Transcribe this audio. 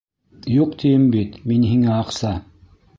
Юҡ, тием бит мин һиңә аҡса!